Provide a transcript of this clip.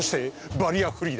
バリアフリー。